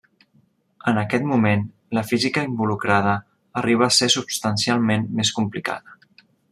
En aquest moment, la física involucrada arriba a ser substancialment més complicada.